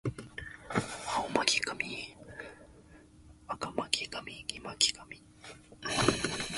青巻紙赤巻紙黄巻紙